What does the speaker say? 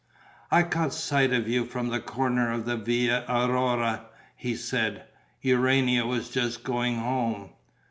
"I caught sight of you from the corner of the Via Aurora," he said. "Urania was just going home."